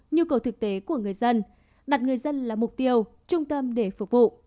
nhu cầu thực tế của người dân đặt người dân là mục tiêu trung tâm để phục vụ